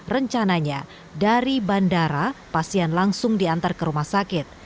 rencananya dari bandara pasien langsung diantar ke rumah sakit